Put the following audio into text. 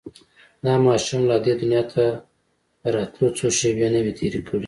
دا ماشوم لا دې دنيا ته د راتلو څو شېبې نه وې تېرې کړې.